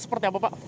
seperti apa pak